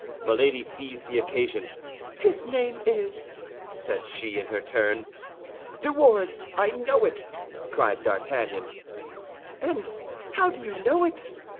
Milady seized the occasion. "His name is—" said she, in her turn. "De Wardes; I know it," cried D'Artagnan. "And how do you know it?"